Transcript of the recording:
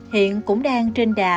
hiện cũng đang trên đà